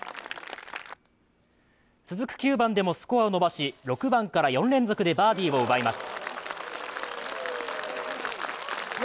続く９番でもスコアを伸ばし、６番から４連続でバーディーを奪います。